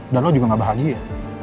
dan lo juga gak bahagia